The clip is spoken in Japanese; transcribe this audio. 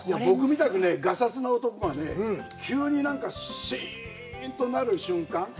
がさつな男がね、急にシーンとなる瞬間。